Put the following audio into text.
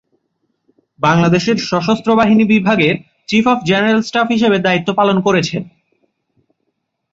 বাংলাদেশের সশস্ত্র বাহিনী বিভাগের চিফ অফ জেনারেল স্টাফ হিসেবে দায়িত্ব পালন করেছেন।